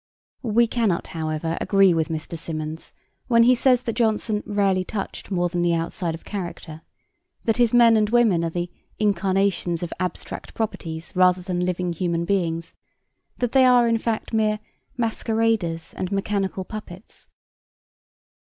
We cannot, however, agree with Mr. Symonds when he says that Jonson 'rarely touched more than the outside of character,' that his men and women are 'the incarnations of abstract properties rather than living human beings,' that they are in fact mere 'masqueraders and mechanical puppets.'